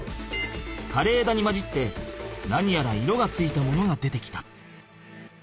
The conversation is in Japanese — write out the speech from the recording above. かれえだに交じって何やら色がついたものが出てきた。